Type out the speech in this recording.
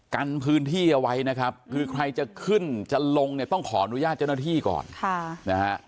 กันพื้นที่เอาไว้นะครับคือใครจะขึ้นจะลงเนี่ยต้องขออนุญาตเจ้าหน้าที่ก่อนค่ะนะฮะ